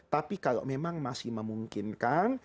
tapi kalau memang masih memungkinkan